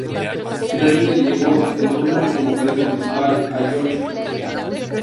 Finalmente le llegó el turno como vocalista principal a George Harrison.